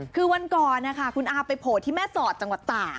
คือวันก่อนนะคะคุณอาไปโผล่ที่แม่สอดจังหวัดตาก